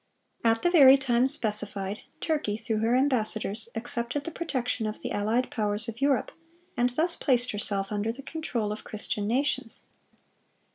(560) At the very time specified, Turkey, through her ambassadors, accepted the protection of the allied powers of Europe, and thus placed herself under the control of Christian nations.